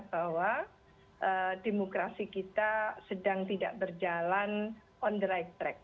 bahwa demokrasi kita sedang tidak berjalan on the right track